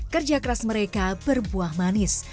kerja keras mereka berbuah manis